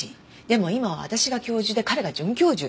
でも今は私が教授で彼が准教授。